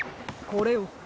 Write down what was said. これを。